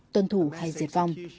tuân thủ hay diệt vong